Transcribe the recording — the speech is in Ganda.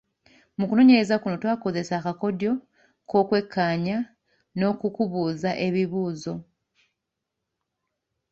Mu kunoonyereza kuno twakozesa akakodyo k’okwekkaanya n’ak’okubuuza ebibuuzo.